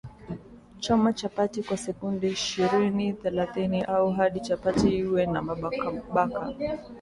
Choma chapati kwa sekunde ishirini thelathini au hadi chapati iwe na mabaka baka